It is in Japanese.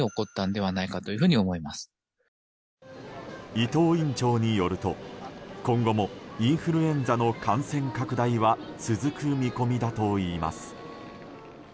伊藤院長によると、今後もインフルエンザの感染拡大は続く見込みだといいます。